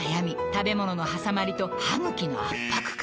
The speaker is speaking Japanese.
食べ物のはさまりと歯ぐきの圧迫感